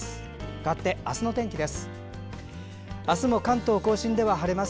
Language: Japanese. かわって明日の天気です。